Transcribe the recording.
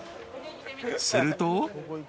［すると］